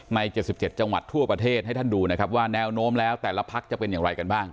๗๗จังหวัดทั่วประเทศให้ท่านดูนะครับว่าแนวโน้มแล้วแต่ละพักจะเป็นอย่างไรกันบ้าง